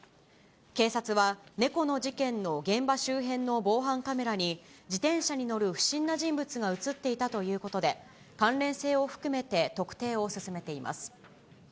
警察は、猫の事件の現場周辺の防犯カメラに、自転車に乗る不審な人物が写っていたということで、関連性を含めて特定を進めています。